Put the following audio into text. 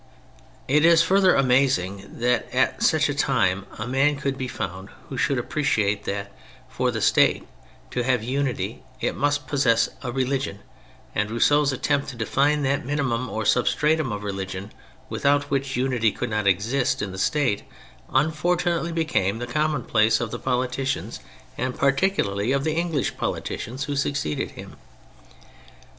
It is further amazing that at such a time a man could be found who should appreciate that for the State, to have unity, it must possess a religion, and Rousseau's attempt to define that minimum or substratum of religion without which unity could not exist in the State unfortunately became the commonplace of the politicians, and particularly of the English politicians who succeeded him.